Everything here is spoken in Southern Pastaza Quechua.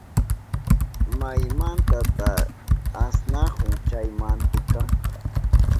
¿Maymantata asnahun chay mantika?